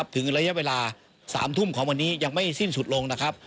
ถึงระยะเวลา๓ทุ่มของวันนี้ยังไม่สิ้นสุดลงนะครับ